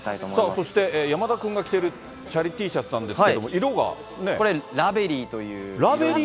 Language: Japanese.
そして山田君が着ているチャリＴシャツなんですけれども、色これ、ラベリーという。